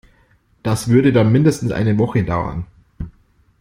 Das würde dann mindestens eine Woche dauern.